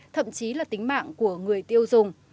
thậm chí là tính mạng của người tiêu dùng